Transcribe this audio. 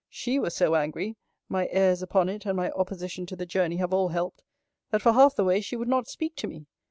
She was so angry, (my airs upon it, and my opposition to the journey, have all helped,) that for half the way she would not speak to me.